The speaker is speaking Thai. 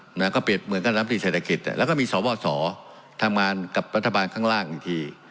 เหมือนกับรัฐบาลเมืองเศรษฐกิจแล้วก็มีสอบอบสอทางงานกับพระราชบาลข้างล่างอีกที